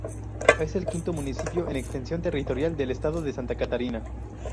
Es el quinto municipio en extensión territorial del Estado de Santa Catarina.